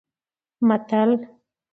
متل: